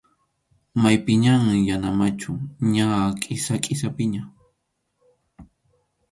Maypiñam yana machu, ña Kisa-Kisapiña.